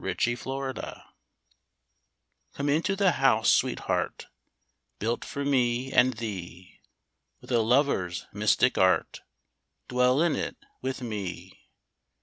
26 invitation C OME into the house, sweetheart, Built for me and thee With a lover's mystic art, Dwell in it with me.